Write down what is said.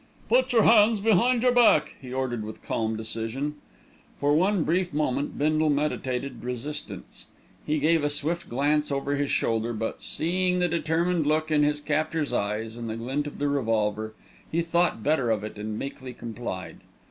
"Put your hands behind your back," he ordered with calm decision. For one brief moment Bindle meditated resistance. He gave a swift glance over his shoulder; but, seeing the determined look in his captor's eyes and the glint of the revolver, he thought better of it and meekly complied.